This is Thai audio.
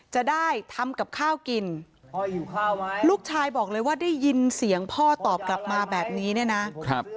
จะได้ทำกับข้าวกินลูกชายบอกเลยว่าได้ยินเสียงพ่อตอบกลับมาแบบนี้เนี่ยนะครับ